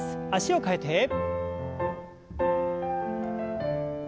脚を替えて。